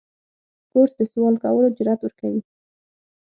کورس د سوال کولو جرأت ورکوي.